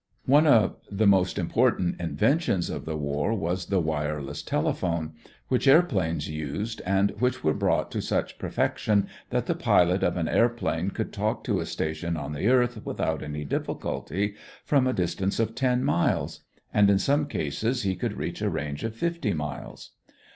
One of the most important inventions of the war was the wireless telephone, which airplanes used and which were brought to such perfection that the pilot of an airplane could talk to a station on the earth without any difficulty, from a distance of ten miles; and in some cases he could reach a range of fifty miles.